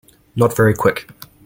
Not very Quick.